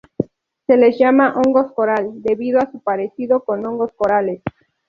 Se les llama "hongos Coral" debido a su parecido con algunos corales.